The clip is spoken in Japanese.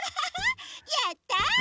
やった！